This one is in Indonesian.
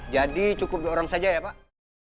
jadi cukup dua orang saja ya pak